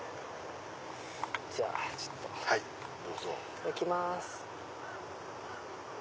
じゃあいただきます。